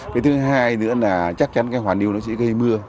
cái thứ hai nữa là chắc chắn hoàn hưu nó sẽ gây mưa